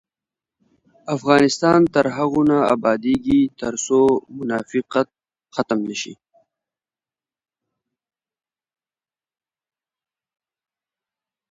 افغانستان تر هغو نه ابادیږي، ترڅو منافقت ختم نشي.